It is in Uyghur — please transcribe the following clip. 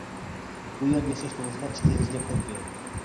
بۇ يەردە ياشاش توغرىسىدا ئىككى ئېغىز گەپ قىلىپ قوياي.